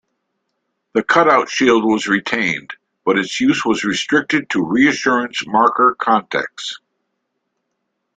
The cutout shield was retained, but its use was restricted to reassurance marker contexts.